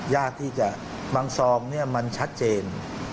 ยากที่จะบางซองมันชัดเจน